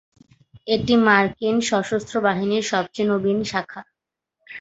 এটি মার্কিন সশস্ত্র বাহিনীর সবচেয়ে নবীন শাখা।